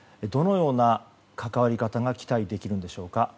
どのような関わり方が期待できるんでしょうか。